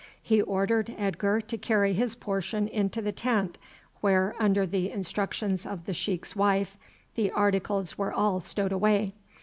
He ordered Edgar to carry his portion into the tent, where, under the instructions of the sheik's wife, the articles were all stowed away.